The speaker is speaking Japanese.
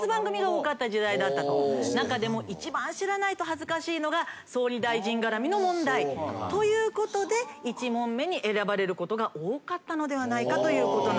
中でも一番知らないと恥ずかしいのが総理大臣絡みの問題ということで１問目に選ばれることが多かったのではないかということなんですよね。